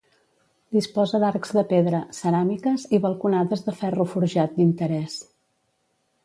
Disposa d'arcs de pedra, ceràmiques i balconades de ferro forjat d'interès.